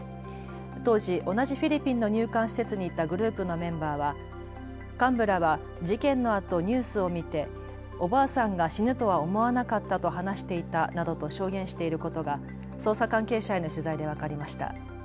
当時、同じフィリピンの入管施設にいたグループのメンバーは幹部らは事件のあとニュースを見ておばあさんが死ぬとは思わなかったと話していたなどと証言していることが捜査関係者への取材で分かりました。